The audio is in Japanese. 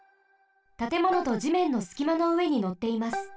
たてものとじめんのすきまのうえにのっています。